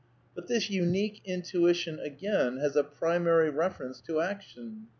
But this unique intuition again has a pri mary reference to action.